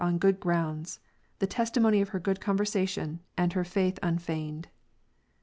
''s conduct, 177 good grounds, the testimony of her good conversation and her faith unfeigned. 30.